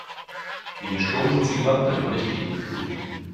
Gegen den Sturm sind sie gewappnet, aber nicht gegen die Flut.